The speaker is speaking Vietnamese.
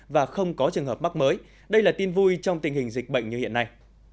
và không có trường hợp mắc mới đây là tin vui trong tình hình dịch bệnh như hiện nay